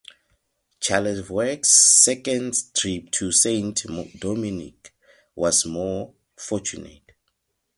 Charlevoix's second trip to Saint-Domingue was more fortunate.